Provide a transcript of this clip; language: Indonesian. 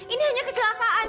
ini hanya kecelakaan